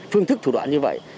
phương thức thủ đoạn như vậy